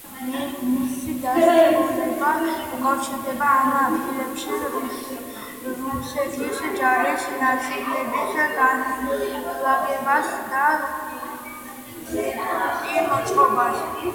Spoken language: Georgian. მისი დაარსება უკავშირდება ამ ადგილებში რუსეთის ჯარის ნაწილები განლაგებას და რედუტი მოწყობას.